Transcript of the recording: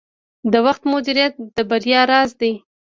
د وخت مدیریت د بریا راز دی.